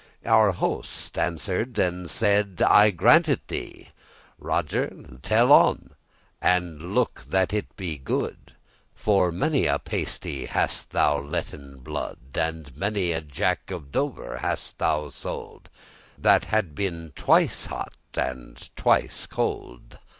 Our Host answer'd and said; "I grant it thee. Roger, tell on; and look that it be good, For many a pasty hast thou letten blood, And many a Jack of Dover<1> hast thou sold, That had been twice hot and twice cold.